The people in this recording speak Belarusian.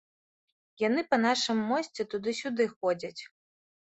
Яны па нашым мосце туды-сюды ходзяць.